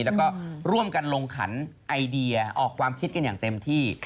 แล้วก็ร่วมกันลงขันไอเดียออกความคิดกันอย่างเต็มที่